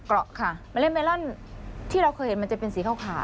ค่ะเมล็ดเมลอนที่เราเคยเห็นมันจะเป็นสีขาว